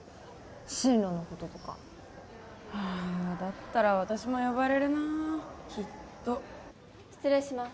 進路のこととかああだったら私も呼ばれるなきっと失礼します